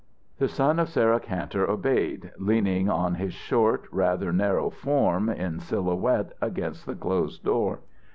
The son of Sarah Kantor obeyed, leaning on his short, rather narrow form in silhouette against the closed door.